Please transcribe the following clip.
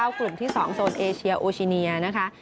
กลุ่มที่๒โซนเอเชียโอชิเนียนะคะ